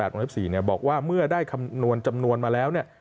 ๑๒๘วงเล็ก๔นี่บอกว่าเมื่อได้คำนวณจำนวนมาแล้ว